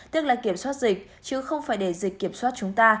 tức là kiểm soát dịch chứ không phải để dịch kiểm soát chúng ta